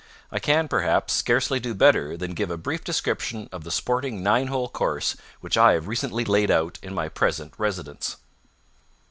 I can, perhaps, scarcely do better than give a brief description of the sporting nine hole course which I have recently laid out in my present residence.